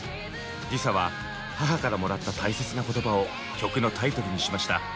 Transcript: ＬｉＳＡは母からもらった大切な言葉を曲のタイトルにしました。